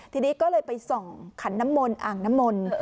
ทีนี้ก็เลยไปส่องขันน้ำมนต์อ่างน้ำมนต์